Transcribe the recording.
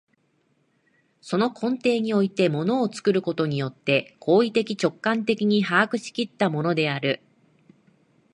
その根底において物を作ることによって行為的直観的に把握し来ったものである。